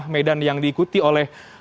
medan yang diikuti oleh